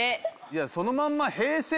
いやそのまんま平成